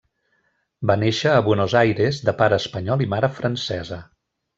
Va néixer a Buenos Aires de pare espanyol i mare francesa.